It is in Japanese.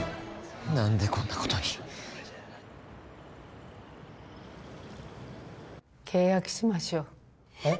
何でこんなことに契約しましょうえっ？